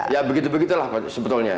ya begitu begitulah sebetulnya